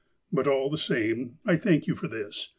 But, all the same, I thank you for this.